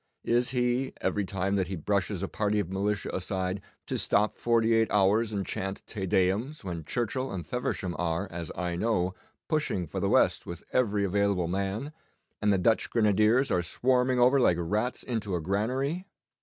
Is he, every time that he brushes a party of militia aside, to stop forty eight hours and chant "Te Deums" when Churchill and Feversham are, as I know, pushing for the West with every available man, and the Dutch grenadiers are swarming over like rats into a granary?